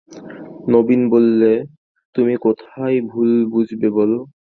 নবীন বললে, তুমি কোথায় ভুল বুঝেছ বলব?